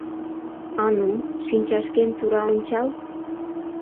— А ну, шинчашкем тура ончал!